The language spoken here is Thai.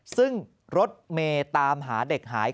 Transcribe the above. ซึ่งรถเมย์ตามหาเด็กหาย